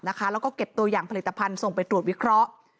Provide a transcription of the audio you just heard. แล้วก็เก็บตัวอย่างผลิตภัณฑ์ส่งไปตรวจวิเคราะห์